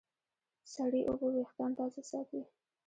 سړې اوبه وېښتيان تازه ساتي.